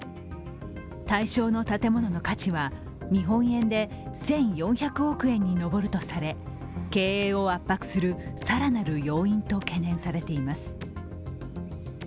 対象の建物の価値は日本円で１４００億円に上るとされ、経営を圧迫する更なる要因と懸念されています。